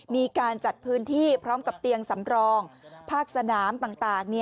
มีการจัดพื้นที่พร้อมกับเตียงสำรองภาคสนามต่าง